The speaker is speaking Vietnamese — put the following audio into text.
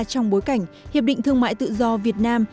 trong bối cảnh hiệp định thương mại tự do việt nam